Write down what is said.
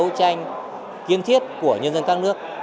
phục vụ nhu cầu tìm hiểu của công chúng trong nước